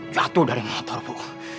jatuh dari motor bu